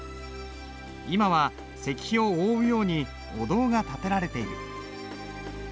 今は石碑を覆うようにお堂が建てられている。